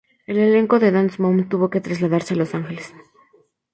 El elenco de Dance Moms tuvo que trasladarse a Los Ángeles.